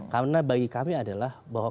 karena bagi kami adalah bahwa